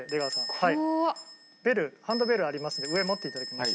はいベルハンドベルありますんで上持っていただきまして。